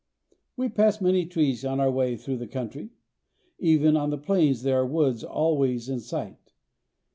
We pass many trees on our way through the country. Even on the plains there are woods always in sight.